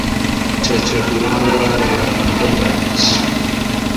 Tetekuwanga ya kondoo na mbuzi